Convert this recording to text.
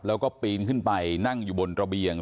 แล้วก็ปีนขึ้นไปนั่งอยู่บนระเบียง